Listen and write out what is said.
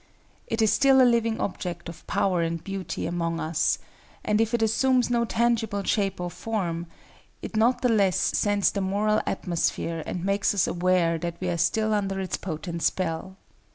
It is still a living object of power and beauty among us; and if it assumes no tangible shape or form, it not the less scents the moral atmosphere, and makes us aware that we are still under its potent spell.